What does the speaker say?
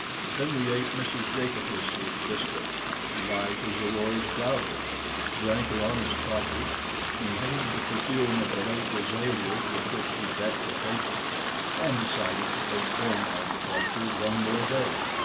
Then we ate Mrs. Jacobus's biscuit, light as Aurora's cloudlets, drank her honest coffee, inhaled the perfume of the late azaleas with which she decked her table, and decided to postpone our departure one more day.